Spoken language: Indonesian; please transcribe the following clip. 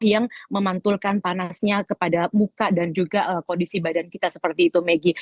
yang memantulkan panasnya kepada muka dan juga kondisi badan kita seperti itu megi